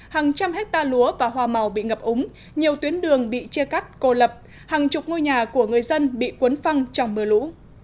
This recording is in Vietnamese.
hàng trăm hectare lúa và hoa màu bị ngập úng nhiều tuyến đường bị chia cắt cô lập hàng chục ngôi nhà của người dân bị cuốn phăng trong mưa lũ